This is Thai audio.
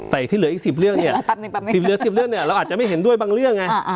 แต่ที่เหลืออีก๑๐เรื่องเนี่ยเราอาจจะไม่เห็นด้วยบางเรื่องไง